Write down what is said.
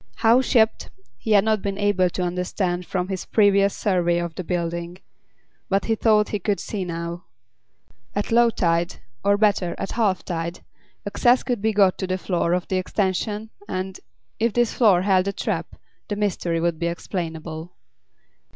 How shipped he had not been able to understand from his previous survey of the building. But he thought he could see now. At low tide, or better, at half tide, access could be got to the floor of the extension and, if this floor held a trap, the mystery would be explainable.